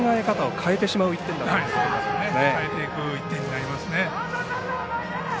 変えていく１点になりますね。